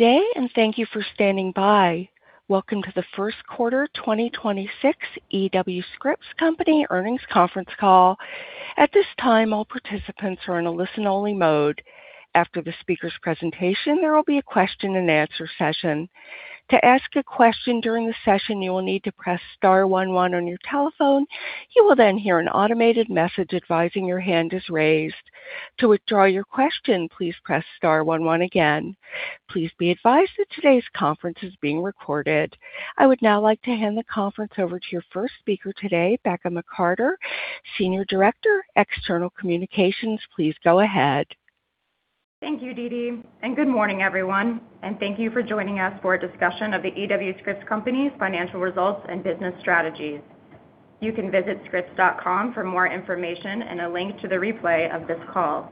Good day, thank you for standing by. Welcome to the first quarter 2026 E.W. Scripps Company earnings conference call. At this time, all participants are in a listen-only mode. After the speaker's presentation, there will be a question-and-answer session. To ask a question during the session, you will need to press star one one on your telephone. You will then hear an automated message advising your hand is raised. To withdraw your question, please press star one one again. Please be advised that today's conference is being recorded. I would now like to hand the conference over to your first speaker today, Becca McCarter, Senior Director, External Communications. Please go ahead. Thank you, DeeDee. Good morning, everyone, and thank you for joining us for a discussion of The E.W. Scripps Company's financial results and business strategies. You can visit scripps.com for more information and a link to the replay of this call.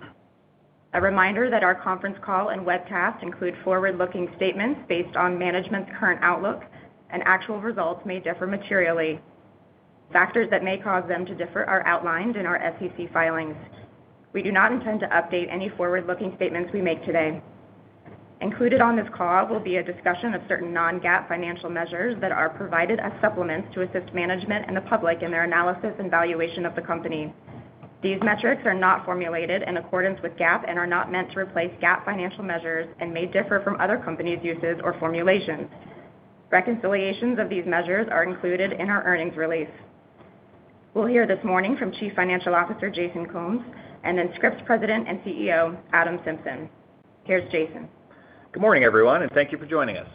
A reminder that our conference call and webcast include forward-looking statements based on management's current outlook and actual results may differ materially. Factors that may cause them to differ are outlined in our SEC filings. We do not intend to update any forward-looking statements we make today. Included on this call will be a discussion of certain non-GAAP financial measures that are provided as supplements to assist management and the public in their analysis and valuation of the company. These metrics are not formulated in accordance with GAAP and are not meant to replace GAAP financial measures and may differ from other companies' uses or formulations. Reconciliations of these measures are included in our earnings release. We'll hear this morning from Chief Financial Officer Jason Combs and then Scripps President and CEO Adam Symson. Here's Jason. Good morning, everyone, and thank you for joining us.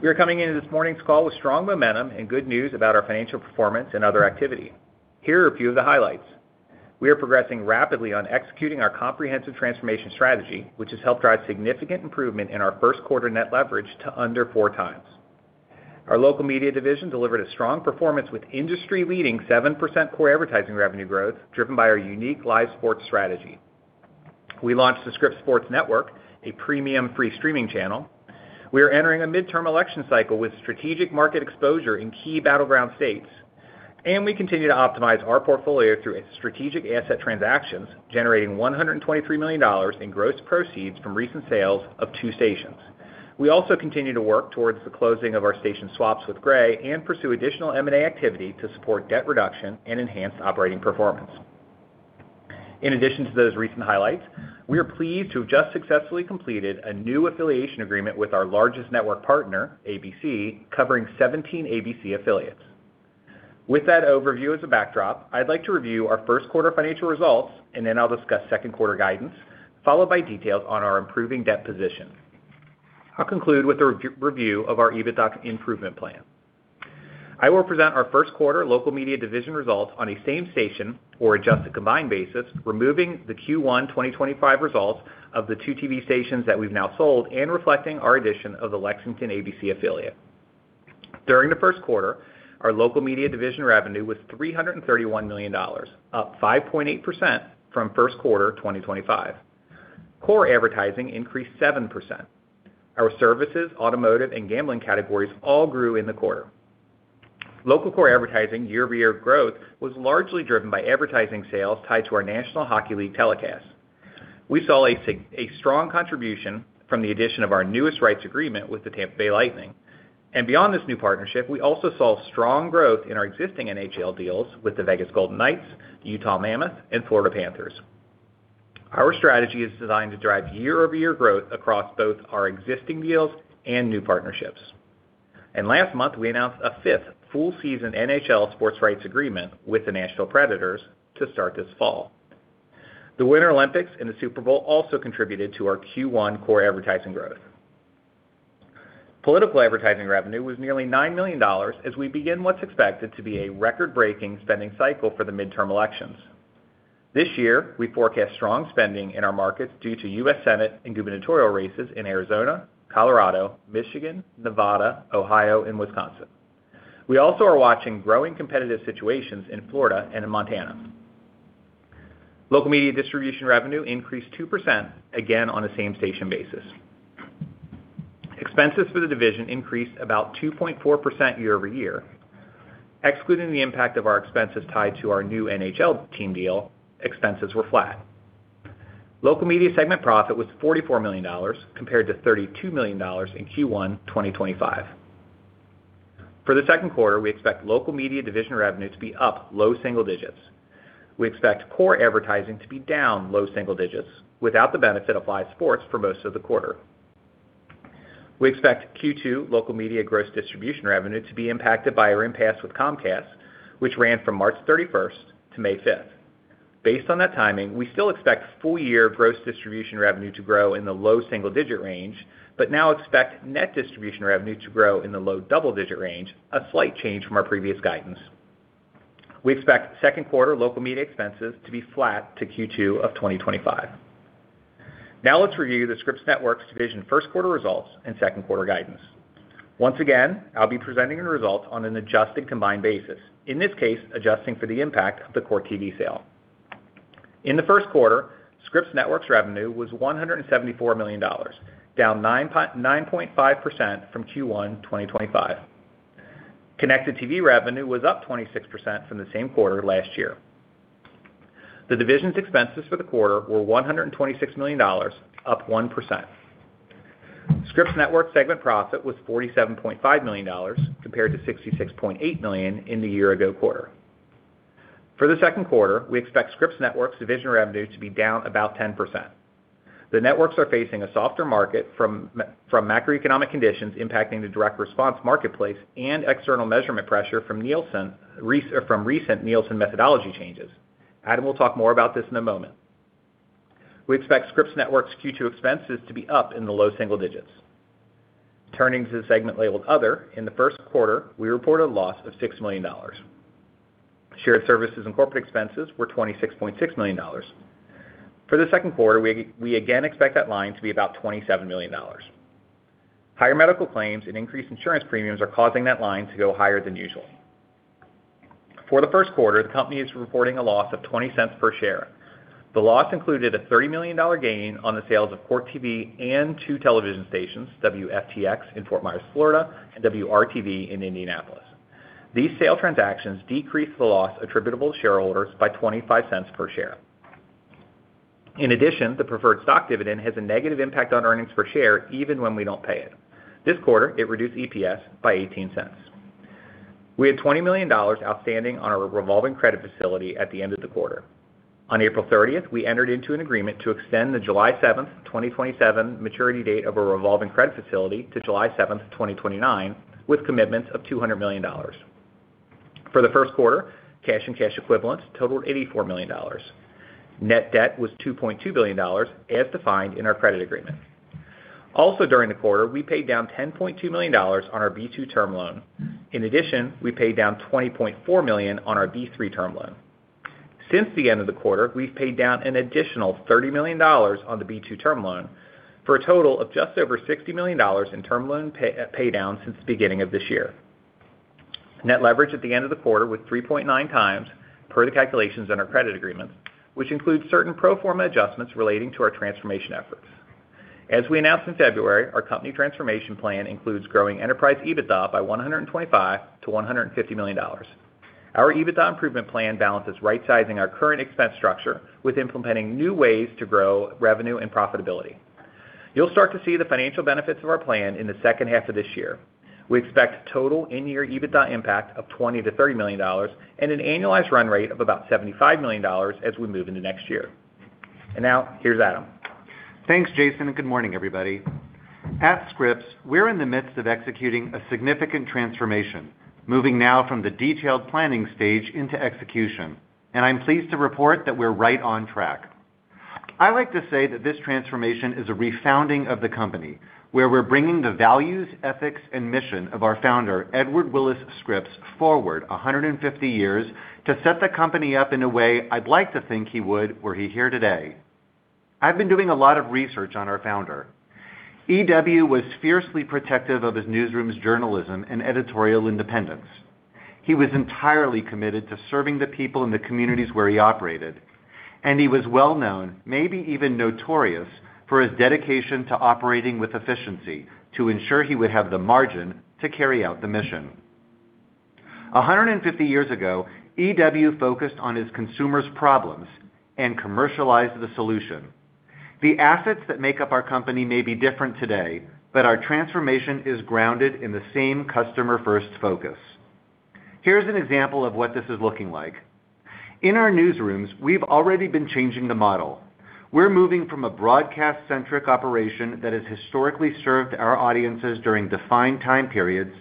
We are coming into this morning's call with strong momentum and good news about our financial performance and other activity. Here are a few of the highlights. We are progressing rapidly on executing our comprehensive transformation strategy, which has helped drive significant improvement in our first quarter net leverage to under 4x. Our local media division delivered a strong performance with industry-leading 7% core advertising revenue growth, driven by our unique live sports strategy. We launched the Scripps Sports Network, a premium free streaming channel. We are entering a midterm election cycle with strategic market exposure in key battleground states, and we continue to optimize our portfolio through its strategic asset transactions, generating $123 million in gross proceeds from recent sales of two stations. We also continue to work towards the closing of our station swaps with Gray and pursue additional M&A activity to support debt reduction and enhance operating performance. In addition to those recent highlights, we are pleased to have just successfully completed a new affiliation agreement with our largest network partner, ABC, covering 17 ABC affiliates. With that overview as a backdrop, I'd like to review our first quarter financial results, and then I'll discuss second quarter guidance, followed by details on our improving debt position. I'll conclude with a review of our EBITDA improvement plan. I will present our first quarter local media division results on a same station or adjusted combined basis, removing the Q1 2025 results of the two TV stations that we've now sold and reflecting our addition of the Lexington ABC affiliate. During the first quarter, our local media division revenue was $331 million, up 5.8% from first quarter 2025. Core advertising increased 7%. Our services, automotive, and gambling categories all grew in the quarter. Local core advertising year-over-year growth was largely driven by advertising sales tied to our National Hockey League telecasts. We saw a strong contribution from the addition of our newest rights agreement with the Tampa Bay Lightning. Beyond this new partnership, we also saw strong growth in our existing NHL deals with the Vegas Golden Knights, the Utah Mammoth, and Florida Panthers. Our strategy is designed to drive year-over-year growth across both our existing deals and new partnerships. Last month, we announced a fifth full-season NHL sports rights agreement with the Nashville Predators to start this fall. The Winter Olympics and the Super Bowl also contributed to our Q1 core advertising growth. Political advertising revenue was nearly $9 million as we begin what's expected to be a record-breaking spending cycle for the midterm elections. This year, we forecast strong spending in our markets due to U.S. Senate and gubernatorial races in Arizona, Colorado, Michigan, Nevada, Ohio, and Wisconsin. We also are watching growing competitive situations in Florida and in Montana. Local media distribution revenue increased 2%, again, on a same-station basis. Expenses for the division increased about 2.4% year-over-year. Excluding the impact of our expenses tied to our new NHL team deal, expenses were flat. Local media segment profit was $44 million compared to $32 million in Q1 2025. For the second quarter, we expect local media division revenue to be up low single digits. We expect core advertising to be down low single digits without the benefit of live sports for most of the quarter. We expect Q2 local media gross distribution revenue to be impacted by our impasse with Comcast, which ran from March 31st to May 5th. Based on that timing, we still expect full-year gross distribution revenue to grow in the low single-digit range but now expect net distribution revenue to grow in the low double-digit range, a slight change from our previous guidance. We expect second quarter local media expenses to be flat to Q2 of 2025. Now let's review the Scripps Networks division first quarter results and second quarter guidance. Once again, I'll be presenting the results on an adjusted combined basis, in this case, adjusting for the impact of the Court TV sale. In the first quarter, Scripps Networks revenue was $174 million, down 9.5% from Q1 2025. Connected TV revenue was up 26% from the same quarter last year. The division's expenses for the quarter were $126 million, up 1%. Scripps Networks segment profit was $47.5 million compared to $66.8 million in the year ago quarter. For the second quarter, we expect Scripps Networks division revenue to be down about 10%. The networks are facing a softer market from macroeconomic conditions impacting the direct response marketplace and external measurement pressure from Nielsen or from recent Nielsen methodology changes. Adam will talk more about this in a moment. We expect Scripps Networks Q2 expenses to be up in the low single digits. Turning to the segment labeled Other, in the first quarter, we reported a loss of $6 million. Shared services and corporate expenses were $26.6 million. For the second quarter, we again expect that line to be about $27 million. Higher medical claims and increased insurance premiums are causing that line to go higher than usual. For the first quarter, the company is reporting a loss of $0.20 per share. The loss included a $30 million gain on the sales of Court TV and two television stations, WFTX in Fort Myers, Florida, and WRTV in Indianapolis. These sale transactions decreased the loss attributable to shareholders by $0.25 per share. In addition, the preferred stock dividend has a negative impact on earnings per share even when we don't pay it. This quarter, it reduced EPS by $0.18. We had $20 million outstanding on our revolving credit facility at the end of the quarter. On April 30th, we entered into an agreement to extend the July 7th, 2027 maturity date of a revolving credit facility to July 7th, 2029, with commitments of $200 million. For the first quarter, cash and cash equivalents totaled $84 million. Net debt was $2.2 billion, as defined in our credit agreement. Also during the quarter, we paid down $10.2 million on our B2 term loan. In addition, we paid down $20.4 million on our B-3 term loan. Since the end of the quarter, we've paid down an additional $30 million on the B-2 term loan for a total of just over $60 million in term loan pay down since the beginning of this year. Net leverage at the end of the quarter was 3.9x per the calculations in our credit agreement, which includes certain pro forma adjustments relating to our transformation efforts. As we announced in February, our company transformation plan includes growing enterprise EBITDA by $125 million-$150 million. Our EBITDA improvement plan balances rightsizing our current expense structure with implementing new ways to grow revenue and profitability. You'll start to see the financial benefits of our plan in the second half of this year. We expect total in-year EBITDA impact of $20 million-$30 million and an annualized run rate of about $75 million as we move into next year. Now, here's Adam. Thanks, Jason, and good morning, everybody. At Scripps, we're in the midst of executing a significant transformation, moving now from the detailed planning stage into execution. I'm pleased to report that we're right on track. I like to say that this transformation is a refounding of the company, where we're bringing the values, ethics, and mission of our founder, Edward Willis Scripps, forward 150 years to set the company up in a way I'd like to think he would were he here today. I've been doing a lot of research on our founder. E.W. was fiercely protective of his newsroom's journalism and editorial independence. He was entirely committed to serving the people in the communities where he operated, and he was well-known, maybe even notorious, for his dedication to operating with efficiency to ensure he would have the margin to carry out the mission. 150 years ago, E.W. focused on his consumers' problems and commercialized the solution. The assets that make up our company may be different today, but our transformation is grounded in the same customer-first focus. Here's an example of what this is looking like. In our newsrooms, we've already been changing the model. We're moving from a broadcast-centric operation that has historically served our audiences during defined time periods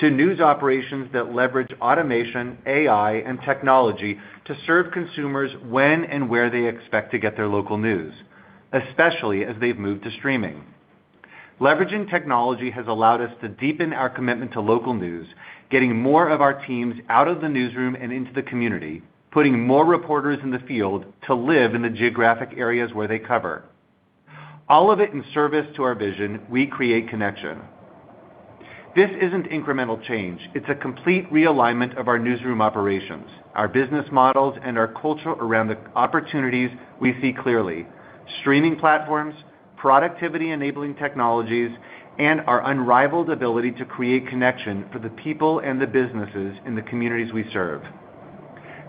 to news operations that leverage automation, AI, and technology to serve consumers when and where they expect to get their local news, especially as they've moved to streaming. Leveraging technology has allowed us to deepen our commitment to local news, getting more of our teams out of the newsroom and into the community, putting more reporters in the field to live in the geographic areas where they cover. All of it in service to our vision, we create connection. This isn't incremental change. It's a complete realignment of our newsroom operations, our business models, and our culture around the opportunities we see clearly: streaming platforms, productivity-enabling technologies, and our unrivaled ability to create connection for the people and the businesses in the communities we serve.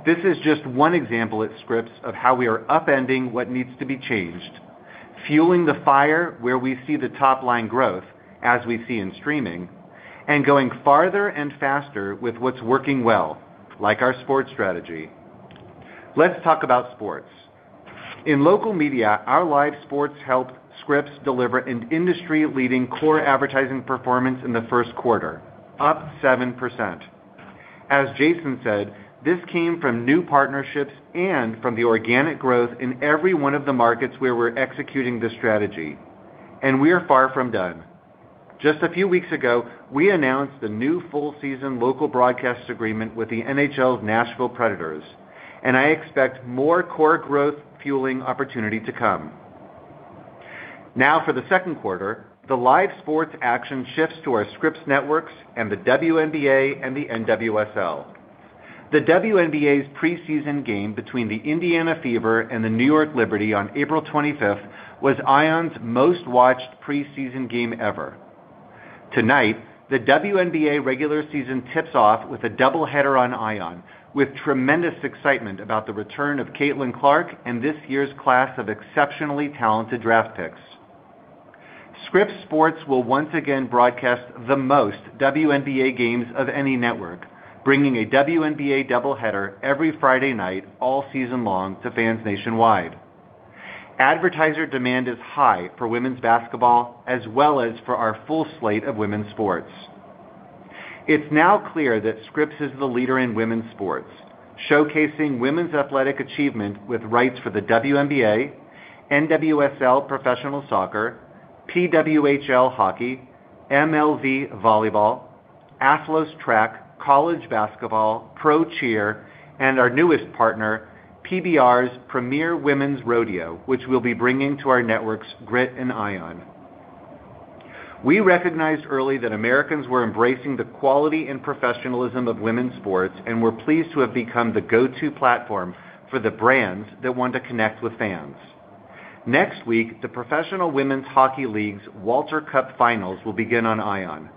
This is just one example at Scripps of how we are upending what needs to be changed, fueling the fire where we see the top-line growth, as we see in streaming, and going farther and faster with what's working well, like our sports strategy. Let's talk about sports. In local media, our live sports helped Scripps deliver an industry-leading core advertising performance in the first quarter, up 7%. As Jason said, this came from new partnerships and from the organic growth in every one of the markets where we're executing this strategy, and we're far from done. Just a few weeks ago, we announced the new full-season local broadcast agreement with the NHL's Nashville Predators, and I expect more core growth fueling opportunity to come. For the second quarter, the live sports action shifts to our Scripps Networks and the WNBA and the NWSL. The WNBA's preseason game between the Indiana Fever and the New York Liberty on April 25th was ION's most-watched preseason game ever. Tonight, the WNBA regular season tips off with a double header on ION, with tremendous excitement about the return of Caitlin Clark and this year's class of exceptionally talented draft picks. Scripps Sports will once again broadcast the most WNBA games of any network, bringing a WNBA double header every Friday night all season long to fans nationwide. Advertiser demand is high for women's basketball as well as for our full slate of women's sports. It's now clear that Scripps is the leader in women's sports, showcasing women's athletic achievement with rights for the WNBA, NWSL professional soccer, PWHL hockey, MLV volleyball, Athlos track, College basketball, Pro Cheer, and our newest partner, PBR's Premier Women's Rodeo, which we'll be bringing to our networks, Grit and ION. We recognized early that Americans were embracing the quality and professionalism of women's sports, and we're pleased to have become the go-to platform for the brands that want to connect with fans. Next week, the Professional Women's Hockey League's Walter Cup finals will begin on ION.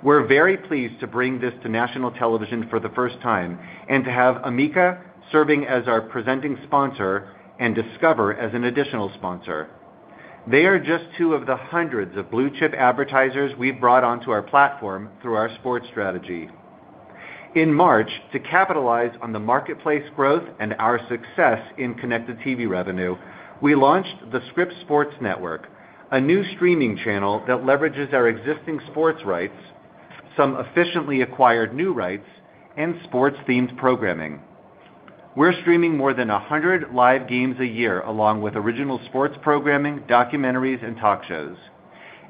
We're very pleased to bring this to national television for the first time and to have Amica serving as our presenting sponsor and Discover as an additional sponsor. They are just two of the hundreds of blue-chip advertisers we've brought onto our platform through our sports strategy. In March, to capitalize on the marketplace growth and our success in connected TV revenue, we launched the Scripps Sports Network, a new streaming channel that leverages our existing sports rights, some efficiently acquired new rights, and sports-themed programming. We're streaming more than 100 live games a year along with original sports programming, documentaries, and talk shows.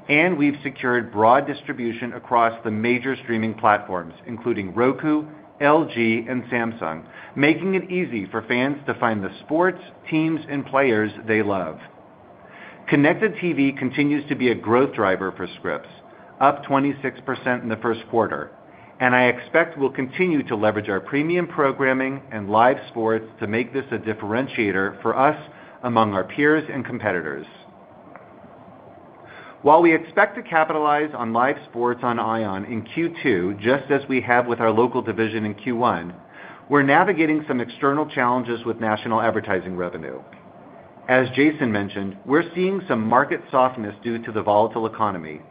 We've secured broad distribution across the major streaming platforms, including Roku, LG, and Samsung, making it easy for fans to find the sports, teams, and players they love. Connected TV continues to be a growth driver for Scripps, up 26% in the first quarter, and I expect we'll continue to leverage our premium programming and live sports to make this a differentiator for us among our peers and competitors. While we expect to capitalize on live sports on ION in Q2, just as we have with our local division in Q1, we're navigating some external challenges with national advertising revenue. As Jason mentioned, we're seeing some market softness due to the volatile economy.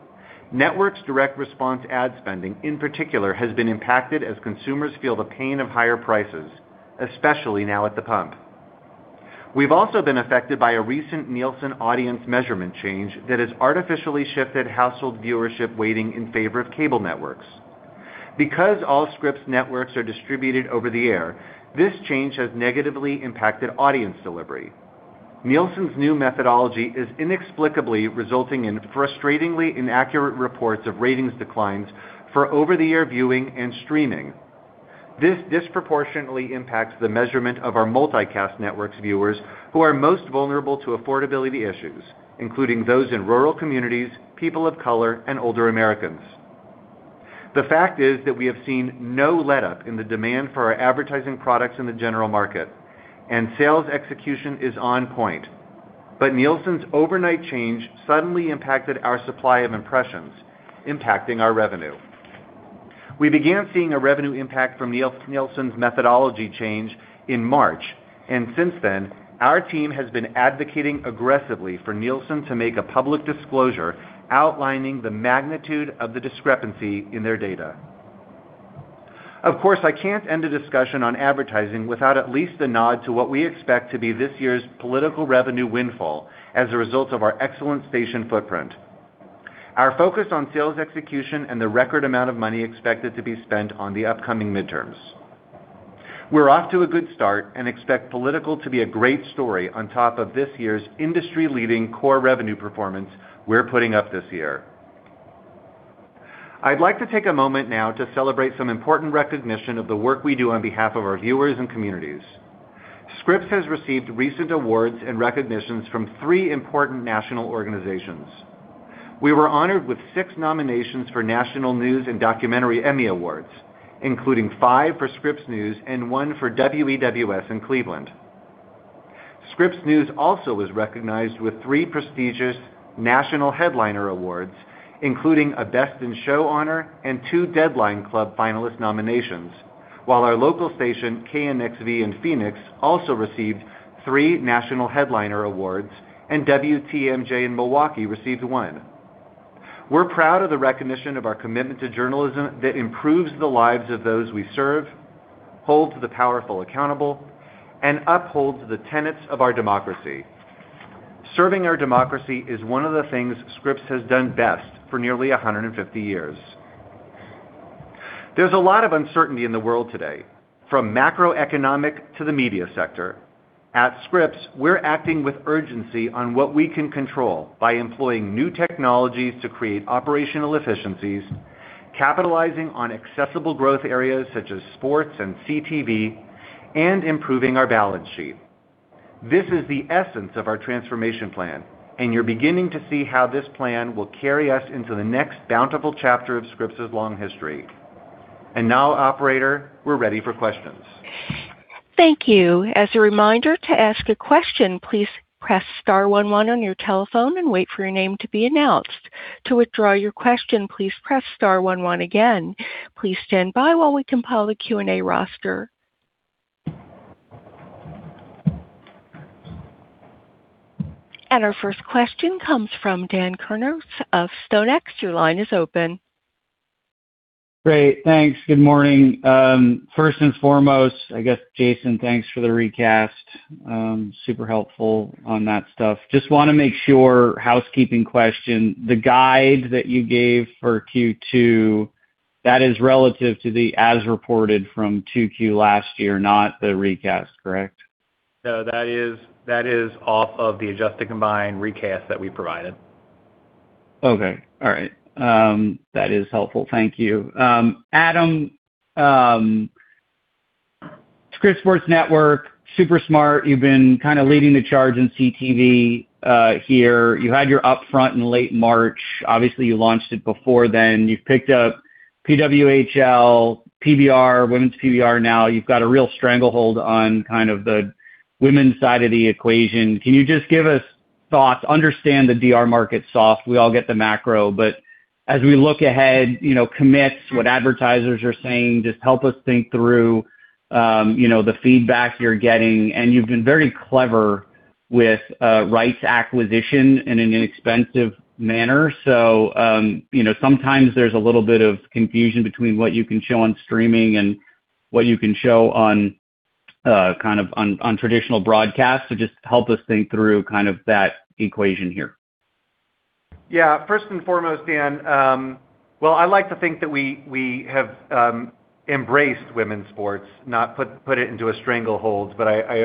Networks direct response ad spending, in particular, has been impacted as consumers feel the pain of higher prices, especially now at the pump. We've also been affected by a recent Nielsen audience measurement change that has artificially shifted household viewership weighting in favor of cable networks. Because all Scripps networks are distributed over the air, this change has negatively impacted audience delivery. Nielsen's new methodology is inexplicably resulting in frustratingly inaccurate reports of ratings declines for over-the-air viewing and streaming. This disproportionately impacts the measurement of our multicast networks viewers who are most vulnerable to affordability issues, including those in rural communities, people of color, and older Americans. The fact is that we have seen no letup in the demand for our advertising products in the general market, and sales execution is on point. Nielsen's overnight change suddenly impacted our supply of impressions, impacting our revenue. We began seeing a revenue impact from Nielsen's methodology change in March, and since then, our team has been advocating aggressively for Nielsen to make a public disclosure outlining the magnitude of the discrepancy in their data. Of course, I can't end a discussion on advertising without at least a nod to what we expect to be this year's political revenue windfall as a result of our excellent station footprint. Our focus on sales execution and the record amount of money expected to be spent on the upcoming midterms. We're off to a good start and expect political to be a great story on top of this year's industry-leading core revenue performance we're putting up this year. I'd like to take a moment now to celebrate some important recognition of the work we do on behalf of our viewers and communities. Scripps has received recent awards and recognitions from three important national organizations. We were honored with six nominations for National News and Documentary Emmy Awards, including five for Scripps News and one for WEWS in Cleveland. Scripps News also was recognized with three prestigious National Headliner Awards, including a Best in Show honor and two Deadline Club finalist nominations. While our local station, KNXV in Phoenix, also received three National Headliner Awards, and WTMJ in Milwaukee received one. We're proud of the recognition of our commitment to journalism that improves the lives of those we serve, holds the powerful accountable, and upholds the tenets of our democracy. Serving our democracy is one of the things Scripps has done best for nearly 150 years. There's a lot of uncertainty in the world today, from macroeconomic to the media sector. At Scripps, we're acting with urgency on what we can control by employing new technologies to create operational efficiencies, capitalizing on accessible growth areas such as sports and CTV, and improving our balance sheet. This is the essence of our transformation plan, and you're beginning to see how this plan will carry us into the next bountiful chapter of Scripps's long history. Now, operator, we're ready for questions. Thank you. As a reminder, to ask a question, please press star one one on your telephone and wait for your name to be announced. To withdraw your question, please press star one one again. Please stand by while we compile a Q&A roster. Our first question comes from Dan Kurnos of StoneX. Your line is open. Great. Thanks. Good morning. First and foremost, I guess, Jason, thanks for the recast. Super helpful on that stuff. Just wanna make sure, housekeeping question, the guide that you gave for Q2, that is relative to the as-reported from Q2 last year, not the recast, correct? No. That is off of the adjusted combined recast that we provided. Okay. All right. That is helpful. Thank you. Adam, Scripps Sports Network, super smart. You've been kinda leading the charge in CTV here. You had your upfront in late March. Obviously, you launched it before then. You've picked up PWHL, PBR, Women's PBR now. You've got a real stranglehold on kind of the women's side of the equation. Can you just give us thoughts. Understand the DR market's soft, we all get the macro, but as we look ahead, you know, commits, what advertisers are saying, just help us think through, you know, the feedback you're getting. You've been very clever with rights acquisition in an inexpensive manner. Sometimes there's a little bit of confusion between what you can show on streaming and what you can show on kind of on traditional broadcast. Just help us think through kind of that equation here. First and foremost, Dan, well, I like to think that we have embraced women's sports, not put it into a stranglehold, but I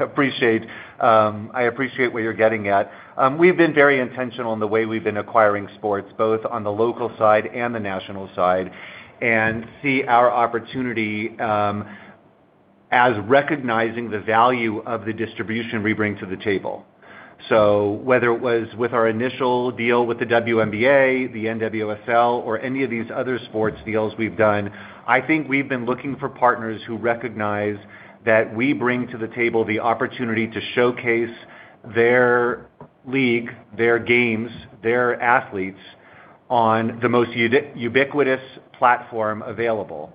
appreciate what you're getting at. We've been very intentional in the way we've been acquiring sports, both on the local side and the national side, and see our opportunity as recognizing the value of the distribution we bring to the table. Whether it was with our initial deal with the WNBA, the NWSL, or any of these other sports deals we've done, I think we've been looking for partners who recognize that we bring to the table the opportunity to showcase their league, their games, their athletes on the most ubiquitous platform available.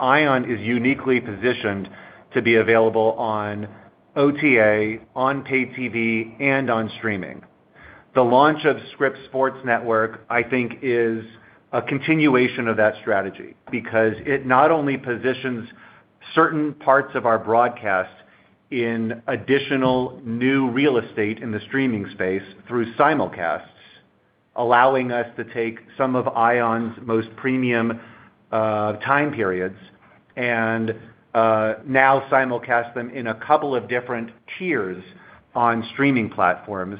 ION is uniquely positioned to be available on OTA, on Pay TV, and on streaming. The launch of Scripps Sports Network, I think, is a continuation of that strategy because it not only positions certain parts of our broadcast in additional new real estate in the streaming space through simulcasts, allowing us to take some of ION's most premium time periods and now simulcast them in a couple of different tiers on streaming platforms,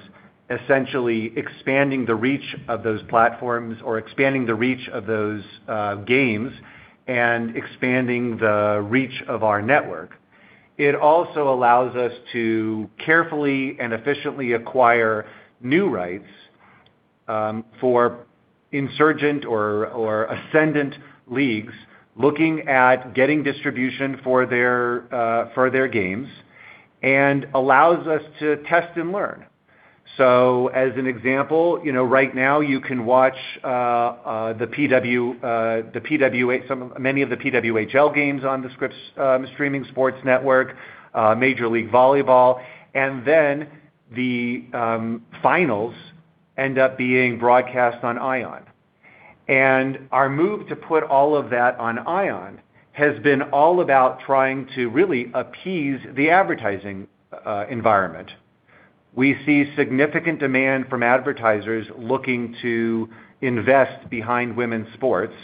essentially expanding the reach of those platforms or expanding the reach of those games and expanding the reach of our network. It also allows us to carefully and efficiently acquire new rights for insurgent or ascendant leagues looking at getting distribution for their games, and allows us to test and learn. As an example, you know, right now you can watch many of the PWHL games on the Scripps Sports Network, Major League Volleyball, and then the finals end up being broadcast on ION. Our move to put all of that on ION has been all about trying to really appease the advertising environment. We see significant demand from advertisers looking to invest behind women's sports.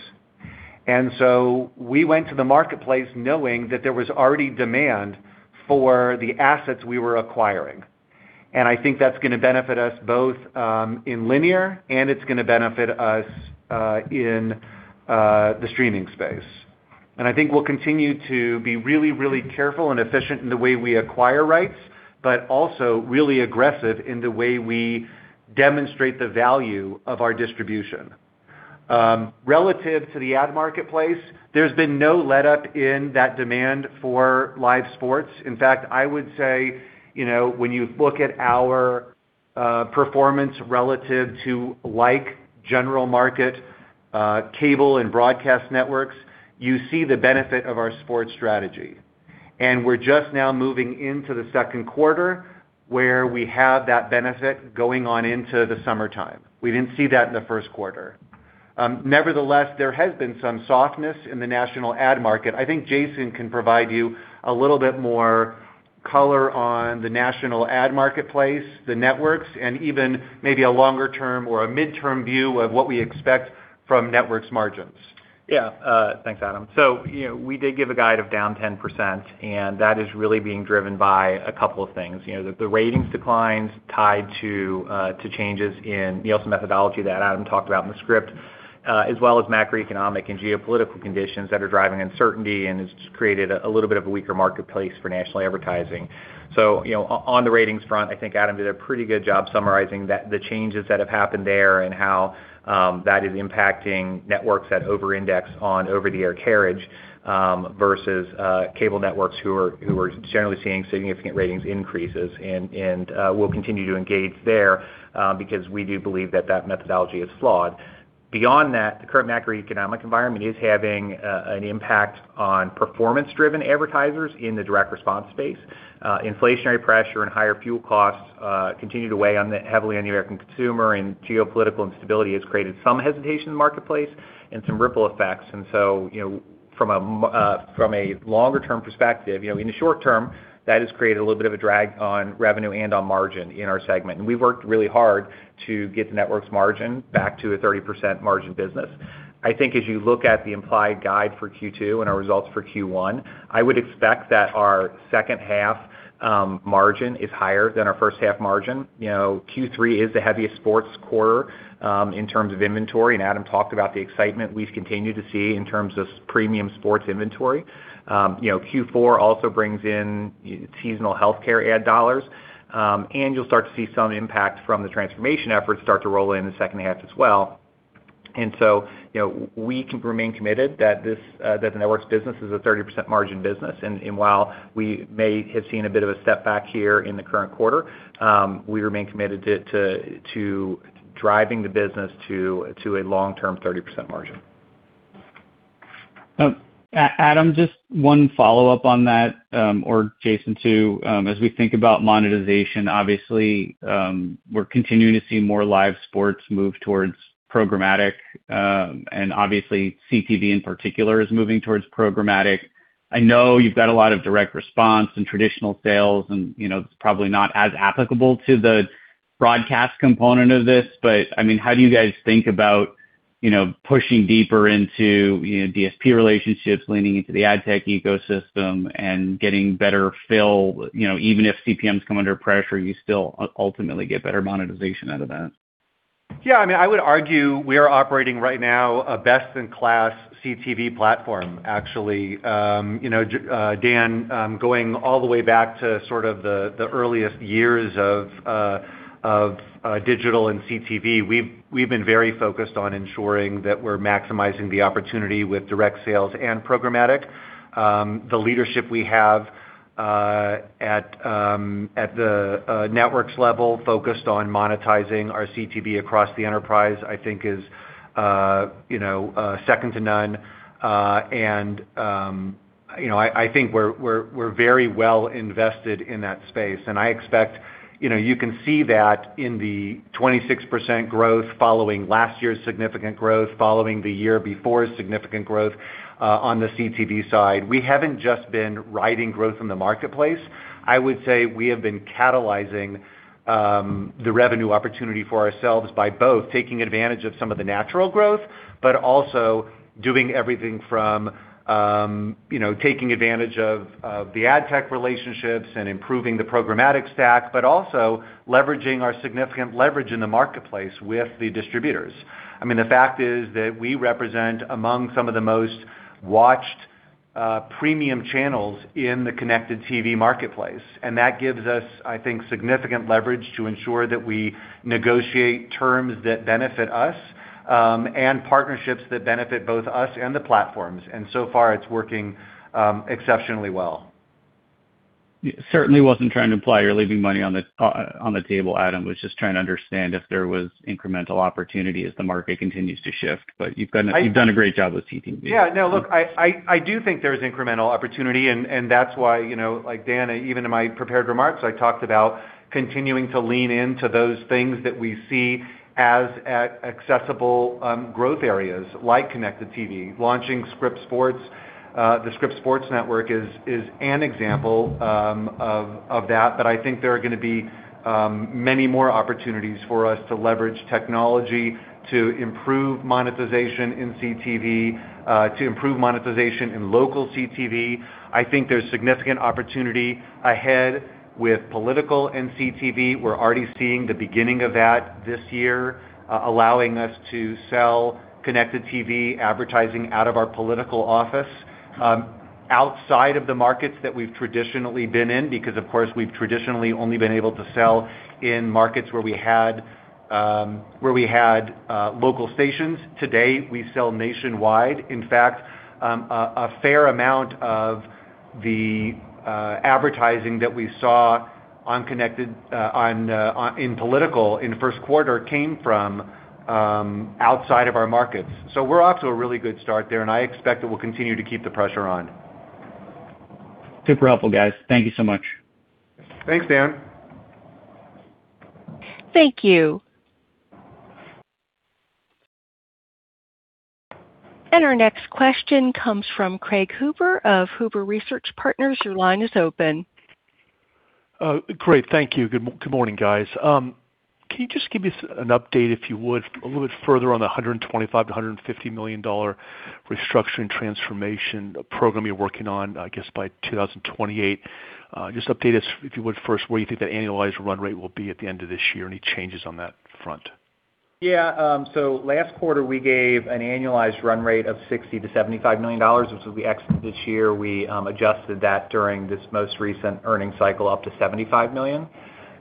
We went to the marketplace knowing that there was already demand for the assets we were acquiring. I think that's gonna benefit us both in linear, it's gonna benefit us in the streaming space. I think we'll continue to be really careful and efficient in the way we acquire rights, but also really aggressive in the way we demonstrate the value of our distribution. Relative to the ad marketplace, there's been no letup in that demand for live sports. In fact, I would say, you know, when you look at our performance relative to like general market, cable and broadcast networks, you see the benefit of our sports strategy. We're just now moving into the second quarter where we have that benefit going on into the summertime. We didn't see that in the first quarter. Nevertheless, there has been some softness in the national ad market. I think Jason can provide you a little bit more color on the national ad marketplace, the networks, and even maybe a longer-term or a midterm view of what we expect from networks margins. Yeah. Thanks, Adam. You know, we did give a guide of down 10%, that is really being driven by a couple of things. You know, the ratings declines tied to changes in Nielsen methodology that Adam talked about in the script. As well as macroeconomic and geopolitical conditions that are driving uncertainty, and it's created a little bit of a weaker marketplace for national advertising. You know, on the ratings front, I think Adam did a pretty good job summarizing the changes that have happened there and how that is impacting networks that over-index on over-the-air carriage versus cable networks who are generally seeing significant ratings increases. We'll continue to engage there because we do believe that that methodology is flawed. Beyond that, the current macroeconomic environment is having an impact on performance-driven advertisers in the direct response space. Inflationary pressure and higher fuel costs continue to weigh heavily on the American consumer, and geopolitical instability has created some hesitation in the marketplace and some ripple effects. You know, from a longer-term perspective, you know, in the short term, that has created a little bit of a drag on revenue and on margin in our segment. We've worked really hard to get the network's margin back to a 30% margin business. I think as you look at the implied guide for Q2 and our results for Q1, I would expect that our second half margin is higher than our first half margin. You know, Q3 is the heaviest sports quarter in terms of inventory, and Adam talked about the excitement we've continued to see in terms of premium sports inventory. You know, Q4 also brings in seasonal healthcare ad dollars. You'll start to see some impact from the transformation efforts start to roll in the second half as well. You know, we can remain committed that this, that the networks business is a 30% margin business. While we may have seen a bit of a setback here in the current quarter, we remain committed to driving the business to a long-term 30% margin. Adam, just one follow-up on that, or Jason, too. As we think about monetization, obviously, we're continuing to see more live sports move towards programmatic. Obviously CTV in particular is moving towards programmatic. I know you've got a lot of direct response and traditional sales and, you know, it's probably not as applicable to the broadcast component of this. I mean, how do you guys think about, you know, pushing deeper into, you know, DSP relationships, leaning into the ad tech ecosystem and getting better fill? You know, even if CPMs come under pressure, you still ultimately get better monetization out of that. Yeah. I mean, I would argue we are operating right now a best-in-class CTV platform, actually. You know, Dan, going all the way back to sort of the earliest years of digital and CTV, we've been very focused on ensuring that we're maximizing the opportunity with direct sales and programmatic. The leadership we have at the networks level focused on monetizing our CTV across the enterprise, I think is, you know, second to none. I think we're very well invested in that space, and I expect, you know, you can see that in the 26% growth following last year's significant growth, following the year before significant growth on the CTV side. We haven't just been riding growth in the marketplace. I would say we have been catalyzing the revenue opportunity for ourselves by both taking advantage of some of the natural growth, but also doing everything from, you know, taking advantage of the ad tech relationships and improving the programmatic stack, but also leveraging our significant leverage in the marketplace with the distributors. I mean, the fact is that we represent among some of the most watched premium channels in the connected TV marketplace, and that gives us, I think, significant leverage to ensure that we negotiate terms that benefit us and partnerships that benefit both us and the platforms. So far, it's working exceptionally well. Certainly wasn't trying to imply you're leaving money on the table, Adam. Was just trying to understand if there was incremental opportunity as the market continues to shift. You've done a great job with CTV. Yeah. No, look, I do think there's incremental opportunity and that's why, you know, like Dan, even in my prepared remarks, I talked about continuing to lean into those things that we see as accessible growth areas like Connected TV. Launching Scripps Sports, the Scripps Sports Network is an example of that. I think there are gonna be many more opportunities for us to leverage technology to improve monetization in CTV, to improve monetization in local CTV. I think there's significant opportunity ahead with political and CTV. We're already seeing the beginning of that this year, allowing us to sell Connected TV advertising out of our political office, outside of the markets that we've traditionally been in because, of course, we've traditionally only been able to sell in markets where we had, where we had local stations. Today, we sell nationwide. In fact, a fair amount of the advertising that we saw on connected, in political in the first quarter came from outside of our markets. We're off to a really good start there, and I expect that we'll continue to keep the pressure on. Super helpful, guys. Thank you so much. Thanks, Dan. Thank you. Our next question comes from Craig Huber of Huber Research Partners. Your line is open. Great. Thank you. Good morning, guys. Can you just give me an update, if you would, a little bit further on the $125 million-$150 million restructuring transformation program you're working on, I guess, by 2028? Just update us, if you would first, where you think that annualized run rate will be at the end of this year. Any changes on that front? Last quarter, we gave an annualized run rate of $60 million-$75 million, which will be ex this year. We adjusted that during this most recent earnings cycle up to $75 million.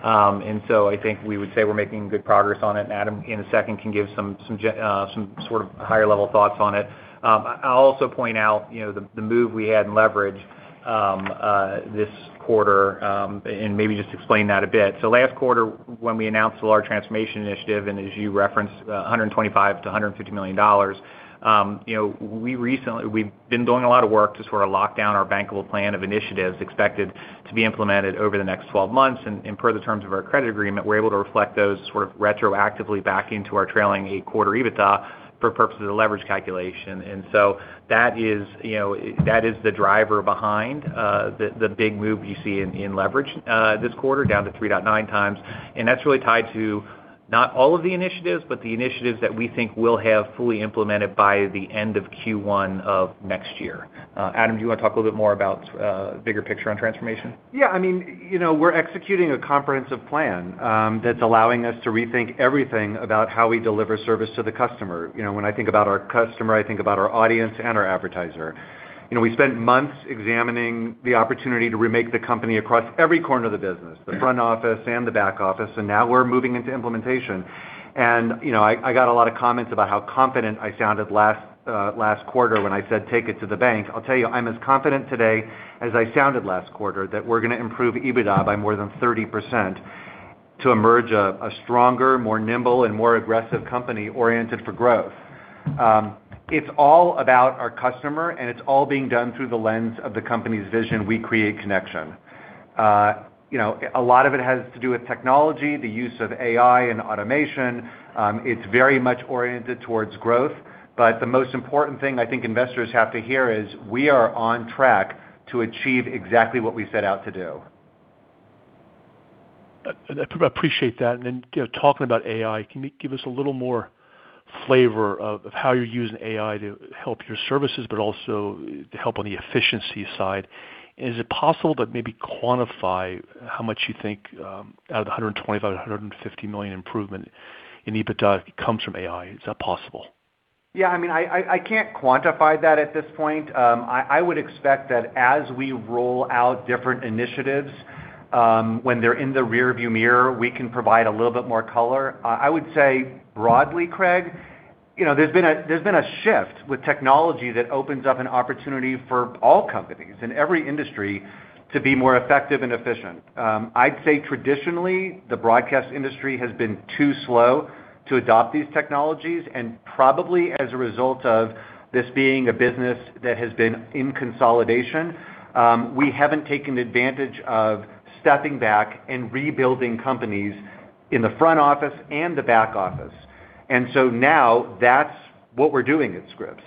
I think we would say we're making good progress on it. Adam, in a second, can give some sort of higher level thoughts on it. I'll also point out, you know, the move we had in leverage this quarter, maybe just explain that a bit. Last quarter when we announced the large transformation initiative, and as you referenced, $125 million-$150 million, you know, we've been doing a lot of work to sort of lock down our bankable plan of initiatives expected to be implemented over the next 12 months. And per the terms of our credit agreement, we're able to reflect those sort of retroactively back into our trailing eight-quarter EBITDA for purposes of leverage calculation. That is, you know, that is the driver behind the big move you see in leverage this quarter, down to 3.9x. That's really tied to not all of the initiatives, but the initiatives that we think we'll have fully implemented by the end of Q1 of next year. Adam, do you wanna talk a little bit more about bigger picture on transformation? Yeah, I mean, you know, we're executing a comprehensive plan that's allowing us to rethink everything about how we deliver service to the customer. You know, when I think about our customer, I think about our audience and our advertiser. You know, we spent months examining the opportunity to remake the company across every corner of the business, the front office and the back office. Now we're moving into implementation. You know, I got a lot of comments about how confident I sounded last last quarter when I said take it to the bank. I'll tell you, I'm as confident today as I sounded last quarter that we're gonna improve EBITDA by more than 30% to emerge a stronger, more nimble and more aggressive company oriented for growth. It's all about our customer, and it's all being done through the lens of the company's vision, we create connection. You know, a lot of it has to do with technology, the use of AI and automation. It's very much oriented towards growth. The most important thing I think investors have to hear is we are on track to achieve exactly what we set out to do. I appreciate that. You know, talking about AI, can you give us a little more flavor of how you're using AI to help your services but also to help on the efficiency side? Is it possible that maybe quantify how much you think, out of the $125 million-$150 million improvement in EBITDA comes from AI? Is that possible? Yeah. I mean, I can't quantify that at this point. I would expect that as we roll out different initiatives, when they're in the rearview mirror, we can provide a little bit more color. I would say broadly, Craig, you know, there's been a shift with technology that opens up an opportunity for all companies in every industry to be more effective and efficient. I'd say traditionally, the broadcast industry has been too slow to adopt these technologies, and probably as a result of this being a business that has been in consolidation, we haven't taken advantage of stepping back and rebuilding companies in the front office and the back office. Now that's what we're doing at Scripps.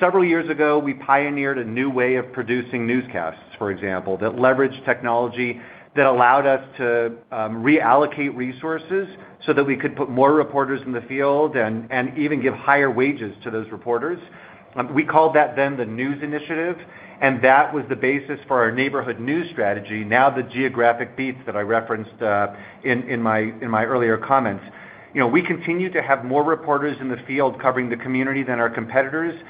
Several years ago, we pioneered a new way of producing newscasts, for example, that leveraged technology that allowed us to reallocate resources so that we could put more reporters in the field and even give higher wages to those reporters. We called that then the News Initiative, and that was the basis for our Neighborhood News Strategy, now the geographic beats that I referenced in my earlier comments. You know, we continue to have more reporters in the field covering the community than our competitors.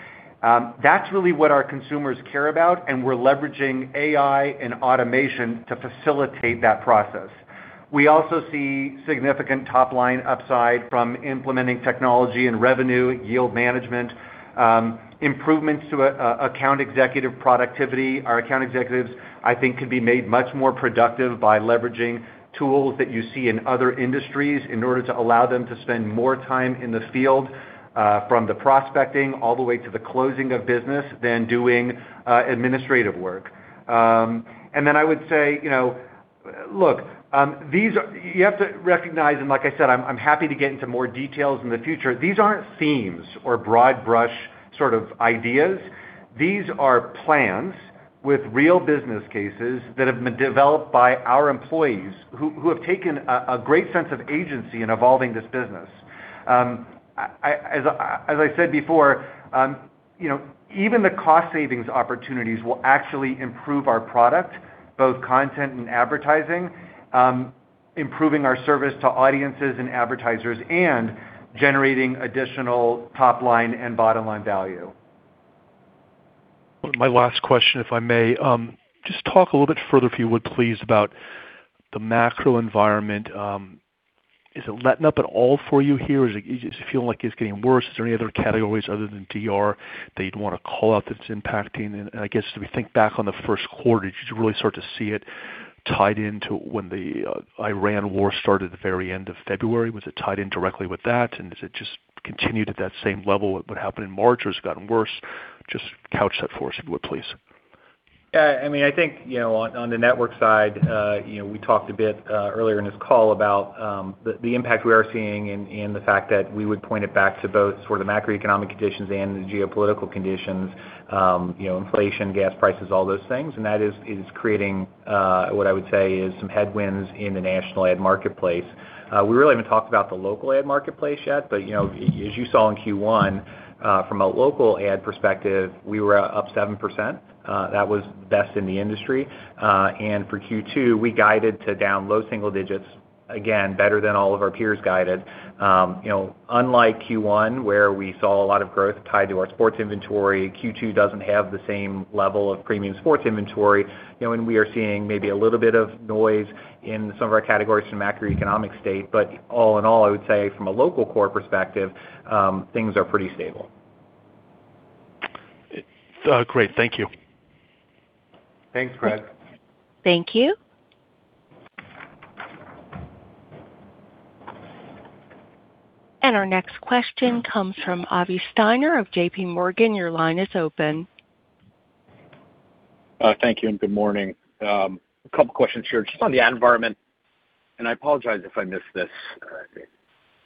That's really what our consumers care about, and we're leveraging AI and automation to facilitate that process. We also see significant top-line upside from implementing technology and revenue yield management improvements to an account executive productivity. Our account executives, I think, could be made much more productive by leveraging tools that you see in other industries in order to allow them to spend more time in the field, from the prospecting all the way to the closing of business than doing administrative work. I would say, you know, look, you have to recognize, and like I said, I'm happy to get into more details in the future. These aren't themes or broad brush sort of ideas. These are plans with real business cases that have been developed by our employees who have taken a great sense of agency in evolving this business. As I said before, even the cost savings opportunities will actually improve our product, both content and advertising, improving our service to audiences and advertisers and generating additional top line and bottom line value. My last question, if I may. Just talk a little bit further, if you would, please, about the macro environment. Is it letting up at all for you here? Do you feel like it's getting worse? Is there any other categories other than DR that you'd wanna call out that's impacting? I guess as we think back on the first quarter, did you really start to see it tied into when the Iran war started at the very end of February? Was it tied in directly with that, and has it just continued at that same level what happened in March or has it gotten worse? Just couch that for us, if you would, please. Yeah. I mean, I think, you know, on the network side, you know, we talked a bit earlier in this call about the impact we are seeing and the fact that we would point it back to both sort of macroeconomic conditions and the geopolitical conditions, you know, inflation, gas prices, all those things. That is creating what I would say is some headwinds in the national ad marketplace. We really haven't talked about the local ad marketplace yet. You know, as you saw in Q1, from a local ad perspective, we were up 7%. That was best in the industry. For Q2, we guided to down low single digits, again, better than all of our peers guided. You know, unlike Q1, where we saw a lot of growth tied to our sports inventory, Q2 doesn't have the same level of premium sports inventory. You know, we are seeing maybe a little bit of noise in some of our categories from macroeconomic state. All in all, I would say from a local core perspective, things are pretty stable. Great. Thank you. Thanks, Craig. Thank you. Our next question comes from Avi Steiner of JPMorgan. Thank you and good morning. A couple questions here just on the ad environment, and I apologize if I missed this,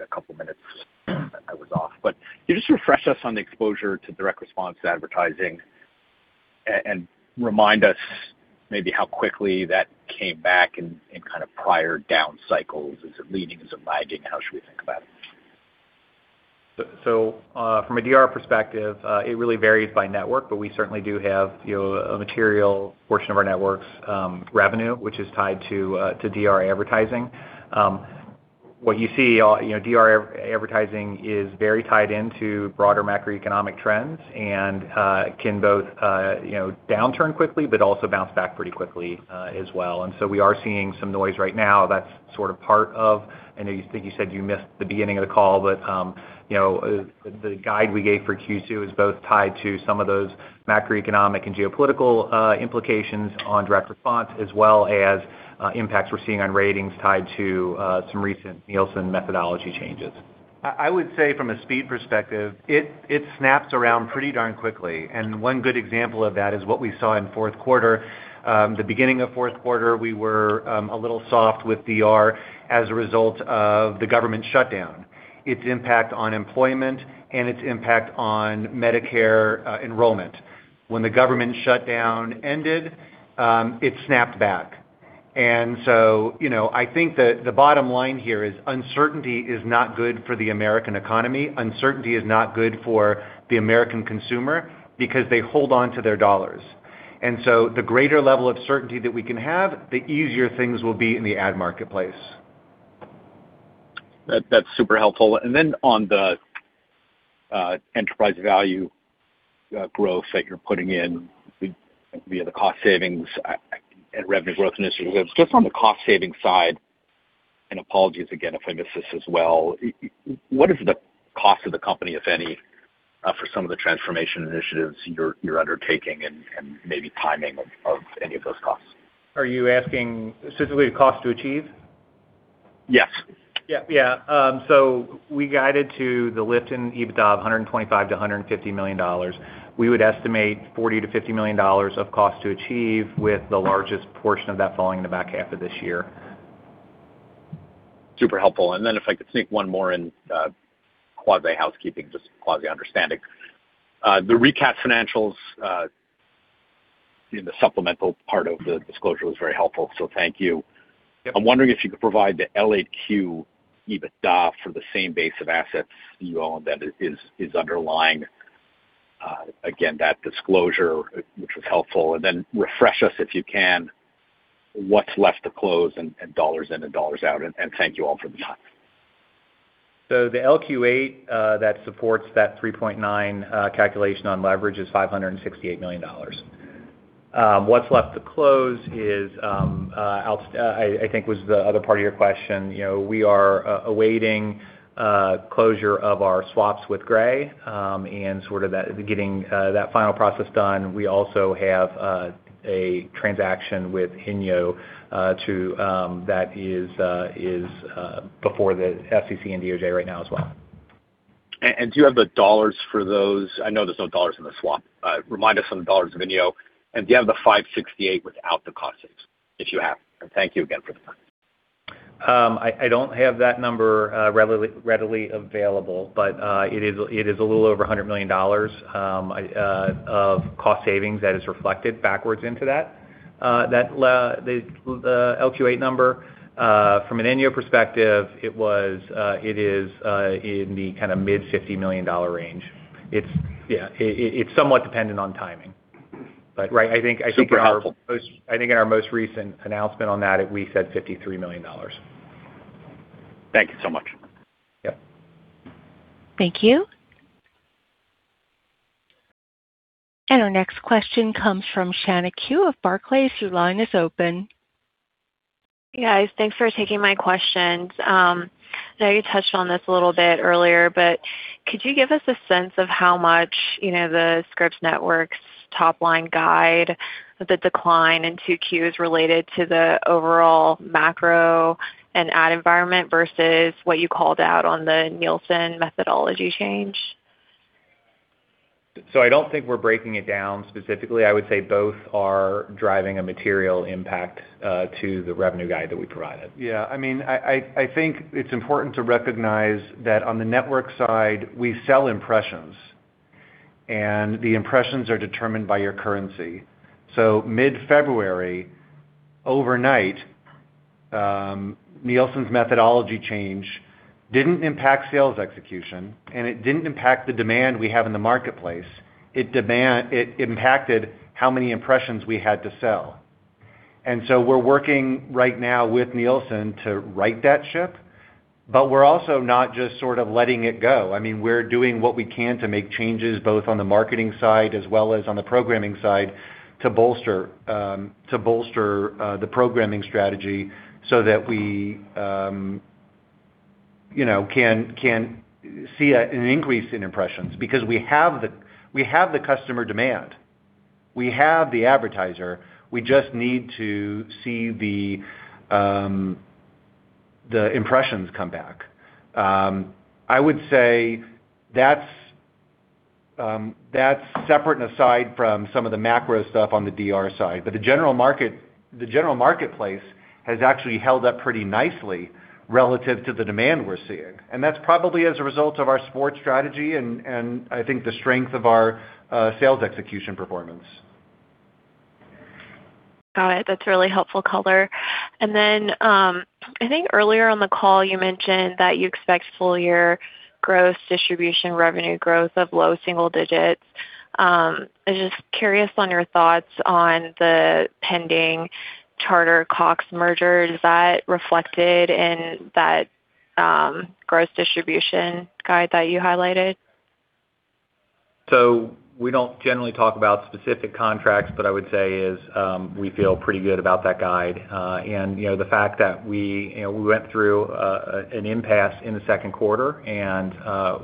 a couple of minutes I was off. Can you just refresh us on the exposure to direct response advertising and remind us maybe how quickly that came back in kind of prior down cycles? Is it leading? Is it lagging? How should we think about it? From a DR perspective, it really varies by network, but we certainly do have, you know, a material portion of our network's revenue, which is tied to DR advertising. What you see, you know, DR advertising is very tied into broader macroeconomic trends and can both, you know, downturn quickly, but also bounce back pretty quickly as well. We are seeing some noise right now that's sort of part of I know you said you missed the beginning of the call, but, you know, the guide we gave for Q2 is both tied to some of those macroeconomic and geopolitical implications on direct response, as well as impacts we're seeing on ratings tied to some recent Nielsen methodology changes. I would say from a speed perspective, it snaps around pretty darn quickly. One good example of that is what we saw in fourth quarter. The beginning of fourth quarter, we were a little soft with DR as a result of the government shutdown, its impact on employment and its impact on Medicare enrollment. When the government shutdown ended, it snapped back. You know, I think that the bottom line here is uncertainty is not good for the American economy. Uncertainty is not good for the American consumer because they hold on to their dollars. The greater level of certainty that we can have, the easier things will be in the ad marketplace. That's super helpful. On the enterprise value growth that you're putting in via the cost savings and revenue growth initiatives. Just on the cost-saving side, and apologies again if I missed this as well, what is the cost of the company, if any, for some of the transformation initiatives you're undertaking and maybe timing of any of those costs? Are you asking specifically the cost to achieve? Yes. Yeah. We guided to the lift in EBITDA of $125 million-$150 million. We would estimate $40 million-$50 million of cost to achieve with the largest portion of that falling in the back half of this year. Super helpful. If I could sneak one more in, quasi housekeeping, just quasi understanding. The recap financials, in the supplemental part of the disclosure was very helpful. Thank you. Yep. I'm wondering if you could provide the LAQ EBITDA for the same base of assets you own that is underlying, again, that disclosure, which was helpful. Then refresh us, if you can, what's left to close and dollars in and dollars out. Thank you all for the time. The LQA that supports that 3.9 calculation on leverage is $568 million. What's left to close is, I think, was the other part of your question. You know, we are awaiting closure of our swaps with Gray, and sort of that getting that final process done. We also have a transaction with INYO that is before the FCC and DOJ right now as well. Do you have the dollars for those? I know there's no dollars in the swap. Remind us on the dollars of INYO, and do you have the $568 without the cost savings, if you have? Thank you again for the time. I don't have that number readily available, but it is a little over $100 million of cost savings that is reflected backwards into that. That the LAQ number from an INYO perspective, it is in the kind of mid $50 million range. It's somewhat dependent on timing. Super helpful. I think in our most recent announcement on that, we said $53 million. Thank you so much. Yep. Thank you. Our next question comes from Shanna Qiu of Barclays. Your line is open. Yeah. Thanks for taking my questions. I know you touched on this a little bit earlier, but could you give us a sense of how much, you know, the Scripps Networks top line guide, the decline in Q2 related to the overall macro and ad environment versus what you called out on the Nielsen methodology change? I don't think we're breaking it down specifically. I would say both are driving a material impact to the revenue guide that we provided. I mean, I think it's important to recognize that on the network side, we sell impressions, the impressions are determined by your currency. Mid-February, overnight, Nielsen's methodology change didn't impact sales execution, it didn't impact the demand we have in the marketplace. It impacted how many impressions we had to sell. We're working right now with Nielsen to right that ship, we're also not just sort of letting it go. I mean, we're doing what we can to make changes both on the marketing side as well as on the programming side to bolster, to bolster the programming strategy so that we, you know, can see an increase in impressions because we have the customer demand. We have the advertiser. We just need to see the impressions come back. I would say that's separate and aside from some of the macro stuff on the DR side. The general marketplace has actually held up pretty nicely relative to the demand we're seeing. That's probably as a result of our sports strategy and I think the strength of our sales execution performance. Got it. That's really helpful color. I think earlier on the call you mentioned that you expect full year gross distribution revenue growth of low single digits. I'm just curious on your thoughts on the pending Charter-Cox merger. Is that reflected in that gross distribution guide that you highlighted? We don't generally talk about specific contracts, but I would say is, we feel pretty good about that guide. You know, the fact that we, you know, we went through an impasse in the second quarter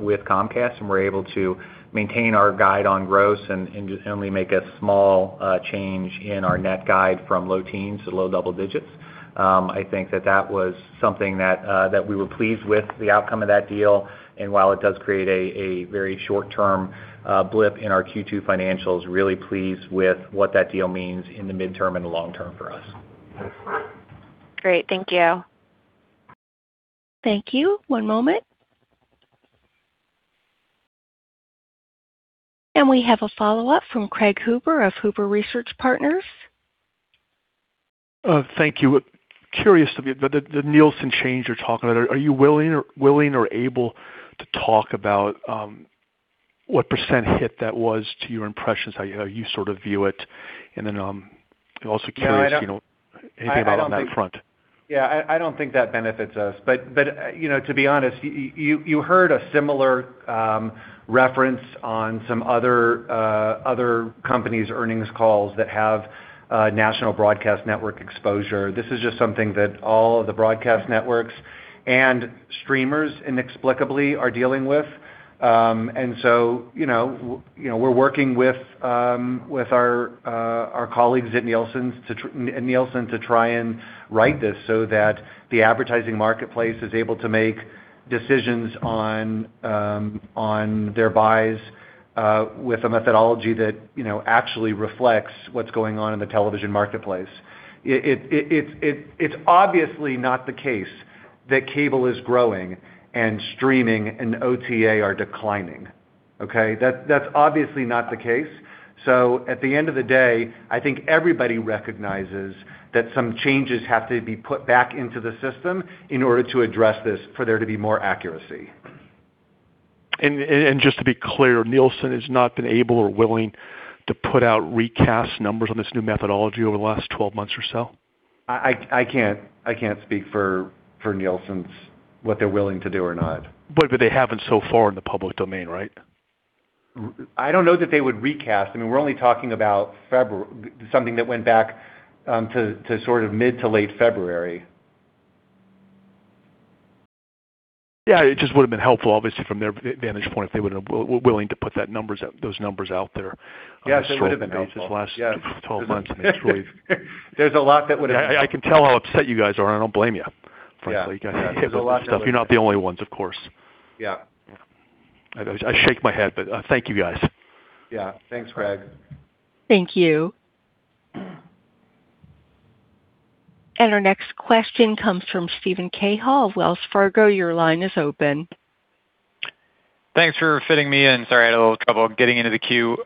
with Comcast, we're able to maintain our guide on gross and only make a small change in our net guide from low teens to low double digits. I think that that was something that we were pleased with the outcome of that deal. While it does create a very short term blip in our Q2 financials, we are really pleased with what that deal means in the midterm and the long term for us. Great. Thank you. Thank you. One moment. We have a follow-up from Craig Huber of Huber Research Partners. Thank you. Curious the Nielsen change you're talking about, are you willing or able to talk about what percent hit that was to your impressions, how you sort of view it? I'm also curious, you know. No, I don't. Anything about on that front? I don't think that benefits us. You know, to be honest, you heard a similar reference on some other companies' earnings calls that have national broadcast network exposure. This is just something that all of the broadcast networks and streamers inexplicably are dealing with. You know, we're working with our colleagues at Nielsen to try and right this so that the advertising marketplace is able to make decisions on their buys with a methodology that, you know, actually reflects what's going on in the television marketplace. It's obviously not the case that cable is growing and streaming and OTA are declining. That's obviously not the case. At the end of the day, I think everybody recognizes that some changes have to be put back into the system in order to address this for there to be more accuracy. Just to be clear, Nielsen has not been able or willing to put out recast numbers on this new methodology over the last 12 months or so? I can't speak for Nielsen's, what they're willing to do or not. They haven't so far in the public domain, right? I don't know that they would recast. I mean, we're only talking about something that went back to sort of mid to late February. Yeah, it just would've been helpful, obviously, from their advantage point if they would've willing to put that numbers out, those numbers out there. Yes, it would've been helpful. There's a lot that would've... I can tell how upset you guys are. I don't blame you, frankly. Yeah. There's a lot that. You're not the only ones, of course. Yeah. I shake my head, but thank you guys. Yeah. Thanks, Craig. Thank you. Our next question comes from Steven Cahall of Wells Fargo. Your line is open. Thanks for fitting me in. Sorry, I had a little trouble getting into the queue.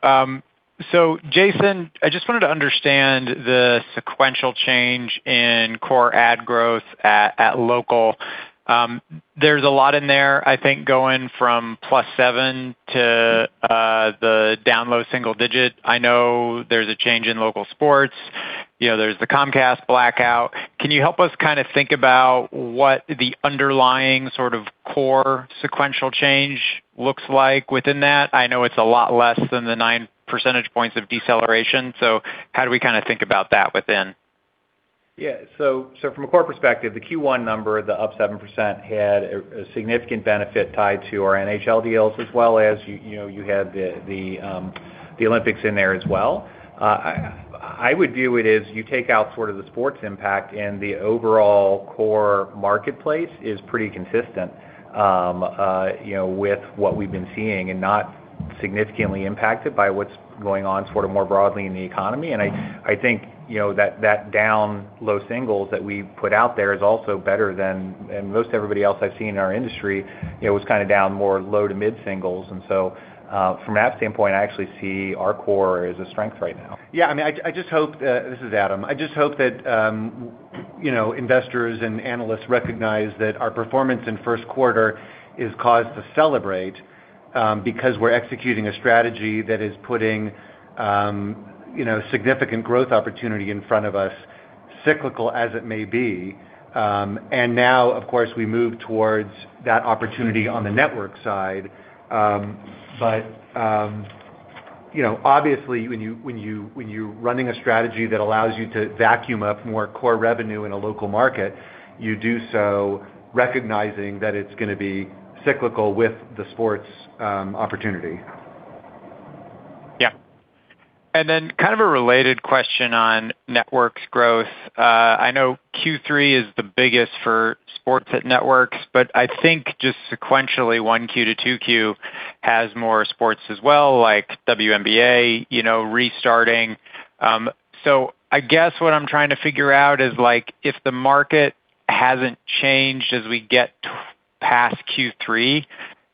Jason, I just wanted to understand the sequential change in core ad growth at local. There's a lot in there, I think, going from plus seven to the down low single-digit. I know there's a change in local sports. You know, there's the Comcast blackout. Can you help us kind of think about what the underlying sort of core sequential change looks like within that? I know it's a lot less than the 9 percentage points of deceleration. How do we kind of think about that within? From a core perspective, the Q1 number, the up 7%, had a significant benefit tied to our NHL deals as well as, you know, you had the Olympics in there as well. I would view it as you take out sort of the sports impact and the overall core marketplace is pretty consistent, you know, with what we've been seeing and not significantly impacted by what's going on sort of more broadly in the economy. I think, you know, that down low singles that we put out there is also better than, and most everybody else I've seen in our industry, you know, was kind of down more low to mid-singles. From that standpoint, I actually see our core as a strength right now. I mean, I just hope, this is Adam. I just hope that, you know, investors and analysts recognize that our performance in first quarter is cause to celebrate because we're executing a strategy that is putting, you know, significant growth opportunity in front of us, cyclical as it may be. Now, of course, we move towards that opportunity on the network side. Obviously, you know, when you are running a strategy that allows you to vacuum up more core revenue in a local market, you do so recognizing that it's going to be cyclical with the sports opportunity. Yeah. Kind of a related question on Networks growth. I know Q3 is the biggest for sports at Networks, but I think just sequentially, Q1 to Q2 has more sports as well, like WNBA, you know, restarting. I guess what I'm trying to figure out is, like, if the market hasn't changed as we get past Q3,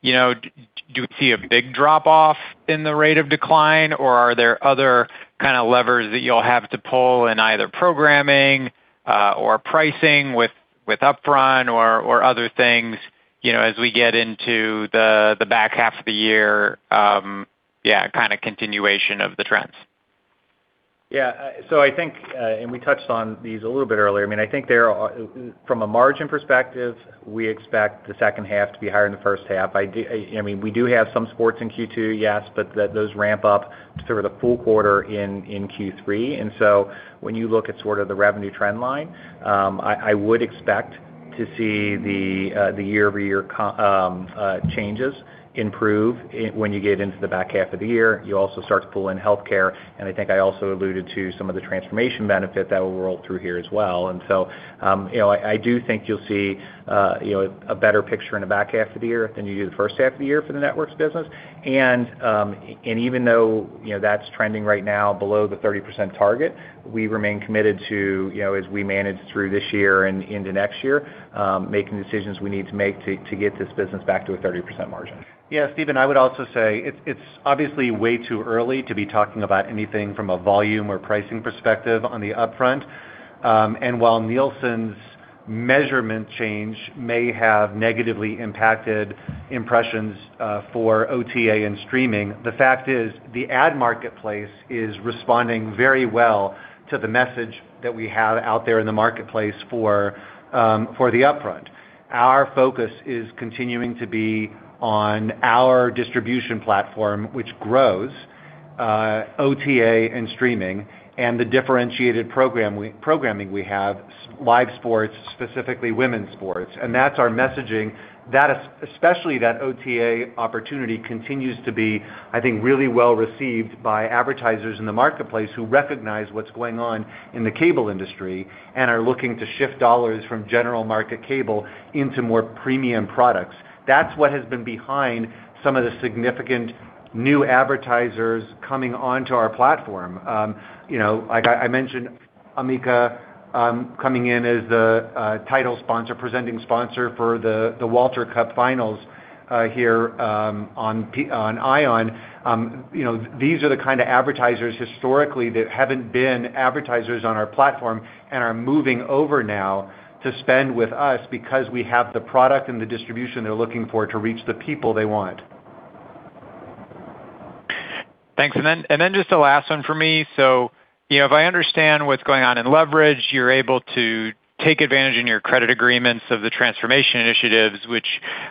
you know, do you see a big drop off in the rate of decline, or are there other kind of levers that you'll have to pull in either programming or pricing with upfront or other things, you know, as we get into the back half of the year, yeah, kind of continuation of the trends? I think we touched on these a little bit earlier. I mean, I think from a margin perspective, we expect the second half to be higher than the first half. I mean, we do have some sports in Q2, yes, but those ramp up sort of the full quarter in Q3. When you look at sort of the revenue trend line, I would expect to see the year-over-year changes improve when you get into the back half of the year. You also start to pull in healthcare. I think I also alluded to some of the transformation benefit that will roll through here as well. I do think you'll see a better picture in the back half of the year than you do the first half of the year for the networks business. Even though, you know, that's trending right now below the 30% target, we remain committed to, you know, as we manage through this year and into next year, making decisions we need to make to get this business back to a 30% margin. Steven, I would also say it's obviously way too early to be talking about anything from a volume or pricing perspective on the upfront. While Nielsen's measurement change may have negatively impacted impressions for OTA and streaming, the fact is the ad marketplace is responding very well to the message that we have out there in the marketplace for the upfront. Our focus is continuing to be on our distribution platform, which grows OTA and streaming and the differentiated programming we have, live sports, specifically women's sports. That's our messaging. That especially that OTA opportunity continues to be, I think, really well received by advertisers in the marketplace who recognize what's going on in the cable industry and are looking to shift dollars from general market cable into more premium products. That's what has been behind some of the significant new advertisers coming onto our platform. You know, like I mentioned Amica, coming in as the title sponsor, presenting sponsor for the Walter Cup finals here on ION. You know, these are the kind of advertisers historically that haven't been advertisers on our platform and are moving over now to spend with us because we have the product and the distribution they're looking for to reach the people they want. Thanks. Just the last one for me. You know, if I understand what's going on in leverage, you're able to take advantage in your credit agreements of the transformation initiatives, which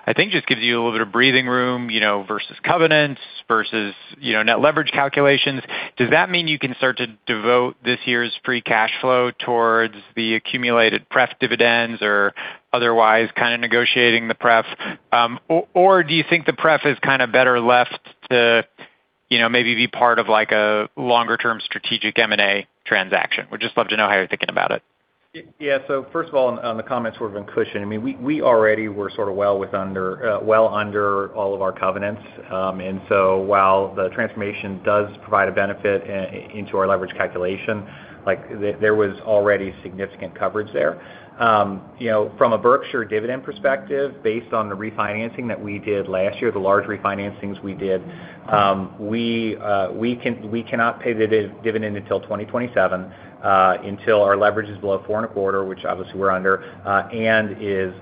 I think just gives you a little bit of breathing room, you know, versus covenants versus, you know, net leverage calculations. Does that mean you can start to devote this year's free cash flow towards the accumulated pref dividends or otherwise kinda negotiating the pref? Or do you think the pref is kinda better left to, you know, maybe be part of, like, a longer-term strategic M&A transaction? Would just love to know how you're thinking about it. First of all, on the comments we've been pushing. I mean, we already were sort of well under all of our covenants. While the transformation does provide a benefit into our leverage calculation, like, there was already significant coverage there. You know, from a Berkshire dividend perspective, based on the refinancing that we did last year, the large refinancings we did, we cannot pay dividend until 2027, until our leverage is below four and a quarter, which obviously we're under, and is,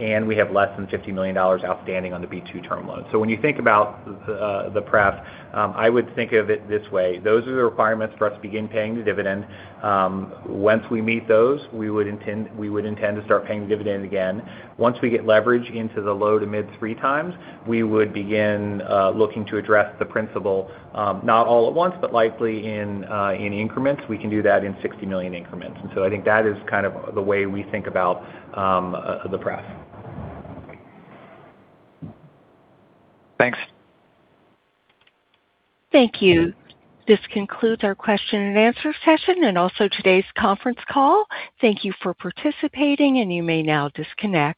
and we have less than $50 million outstanding on the B-2 term loan. When you think about the pref, I would think of it this way. Those are the requirements for us to begin paying the dividend. Once we meet those, we would intend to start paying the dividend again. Once we get leverage into the low to mid three times, we would begin looking to address the principal, not all at once, but likely in increments. We can do that in $60 million increments. I think that is kind of the way we think about the pref. Thanks. Thank you. This concludes our question and answer session and also today's conference call. Thank you for participating, and you may now disconnect.